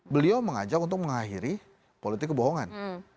beliau mengajak untuk mengakhiri politik kebohongan